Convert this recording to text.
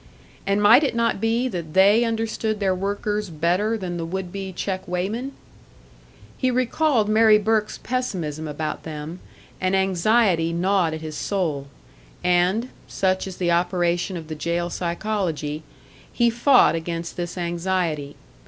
And might it not be that they understood their workers better than the would be check weighman? He recalled Mary Burke's pessimism about them, and anxiety gnawed at his soul; and such is the operation of the jail psychology he fought against this anxiety.